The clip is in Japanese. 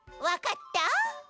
わかった？